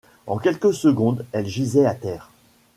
En quelques secondes, elle gisait à terre.